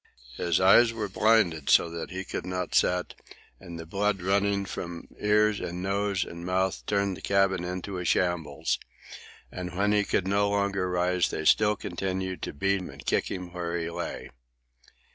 His eyes were blinded so that he could not see, and the blood running from ears and nose and mouth turned the cabin into a shambles. And when he could no longer rise they still continued to beat and kick him where he lay.